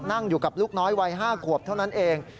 นั่งอยู่กับลูกน้อยวัย๕ขวบเท่านั้นเอง